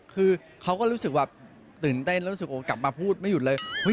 คือเขาก็รู้สึกแบบตื่นเต้นแล้วรู้สึกกลับมาพูดไม่หยุดเลย